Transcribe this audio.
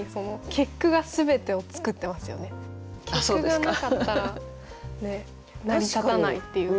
結句がなかったら成り立たないっていうか。